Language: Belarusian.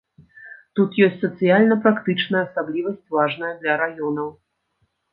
Тут ёсць сацыяльна-практычная асаблівасць важная для раёнаў.